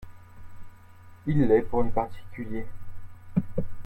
Il l’est pour les particuliers